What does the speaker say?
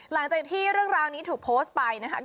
หลังจากที่เรื่องราวนี้ถูกโพสต์ไปนะครับ